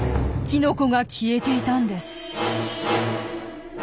キノコが消えていたんです！